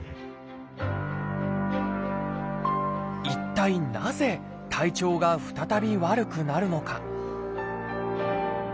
一体なぜ体調が再び悪くなるのか？